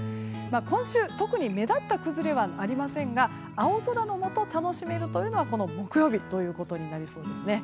今週、特に目立った崩れはありませんが青空のもと楽しめるというのはこの木曜日となりそうです。